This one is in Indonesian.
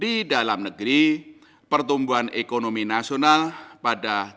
di dalam negeri pertumbuhan ekonomi nasional pada dua ribu dua puluh